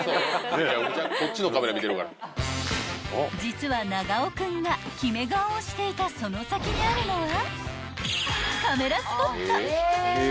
［実は長尾君が決め顔をしていたその先にあるのは］